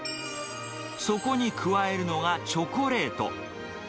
そこに加えるのがチョコレート。